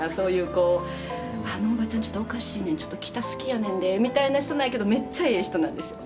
こう「あのおばちゃんちょっとおかしいねんちょっと北好きやねんで」みたいな人なんやけどめっちゃええ人なんですよ。